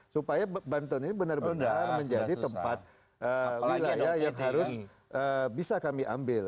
supaya banten ini benar benar menjadi tempat wilayah yang harus bisa kami ambil